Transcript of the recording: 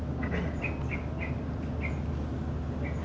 ada apa sih